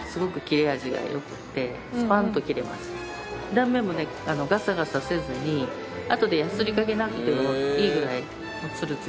断面もねガサガサせずにあとでヤスリかけなくてもいいぐらい。